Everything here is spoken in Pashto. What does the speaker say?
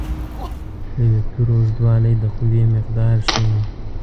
د وکتور اوږدوالی د قوې مقدار ښيي.